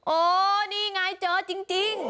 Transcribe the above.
โอ้นี่ไงเจอจริง